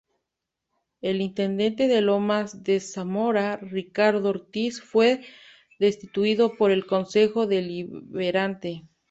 El intendente de Lomas de Zamora Ricardo Ortiz fue destituido por el consejo deliberante.